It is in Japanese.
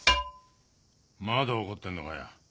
まだ怒ってんのかよ。